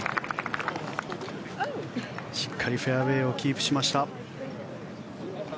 しっかりフェアウェーをキープしました。